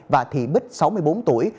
và thị bích sáu mươi bốn tuổi